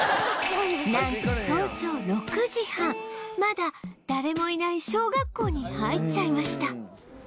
なんと早朝６時半まだ誰もいない小学校に入っちゃいました